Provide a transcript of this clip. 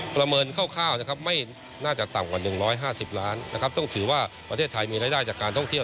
ประเมินคร่าวนะครับไม่น่าจะต่ำกว่า๑๕๐ล้านนะครับต้องถือว่าประเทศไทยมีรายได้จากการท่องเที่ยว